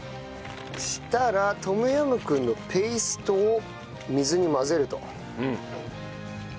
そしたらトムヤムクンのペーストを水に混ぜると。